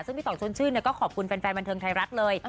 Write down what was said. ซึ่งพี่ต่องชนชื่นก็ขอบคุณแฟนบันเทิงไทยรัฐเลย